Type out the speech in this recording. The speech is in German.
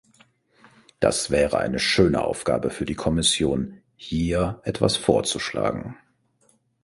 Das wäre eine schöne Aufgabe für die Kommission, hier etwas vorzuschlagen.